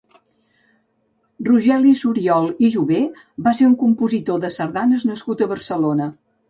Rogeli Suriol i Juvé va ser un compositor de sardanes nascut a Barcelona.